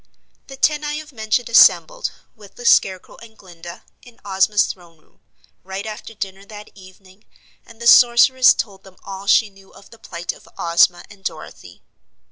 The ten I have mentioned assembled, with the Scarecrow and Glinda, in Ozma's throne room, right after dinner that evening, and the Sorceress told them all she knew of the plight of Ozma and Dorothy.